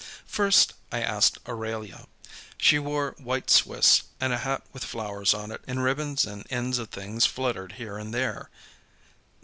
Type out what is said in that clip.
First, I asked Aurelia. She wore white Swiss and a hat with flowers on it, and ribbons and ends of things fluttered here and there.